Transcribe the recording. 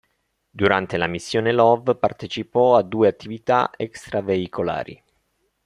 Durante la missione Love partecipò a due attività extraveicolari.